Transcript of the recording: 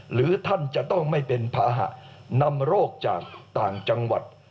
หรือท่านจะต้องไม่เป็นภาหะนำโรคจากต่างจังหวัด